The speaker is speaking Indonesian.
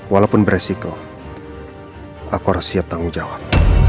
walaupun beresiko aku harus siap tanggung jawab